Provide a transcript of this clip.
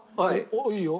いいよ。